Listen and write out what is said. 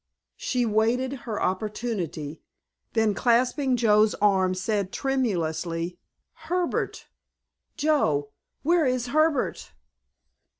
She waited her opportunity, then clasping Joe's arm, said tremulously: "Herbert, Joe—where is Herbert?"